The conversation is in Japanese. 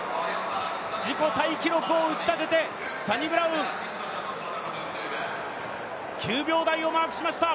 自己タイ記録を打ち立てて、サニブラウン、９秒台をマークしました。